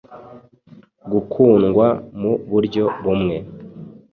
gukundwa mu buryo bumwe